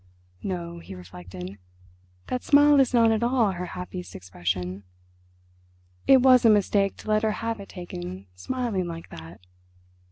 "No," he reflected, "that smile is not at all her happiest expression—it was a mistake to let her have it taken smiling like that.